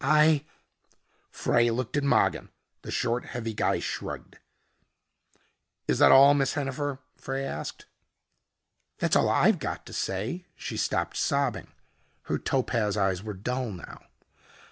I " Frey looked at Mogin. The short, heavy guy shrugged. "Is that all, Miss Hennifer?" Frey asked. "That's all I've got to say." She stopped sobbing. Her topaz eyes were dull now.